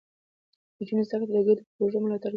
د نجونو زده کړه د ګډو پروژو ملاتړ زياتوي.